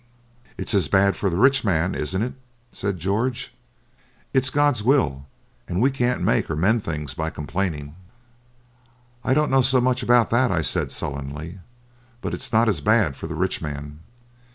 'It's as bad for the rich man, isn't it?' said George. 'It's God's will, and we can't make or mend things by complaining.' 'I don't know so much about that,' I said sullenly. 'But it's not as bad for the rich man.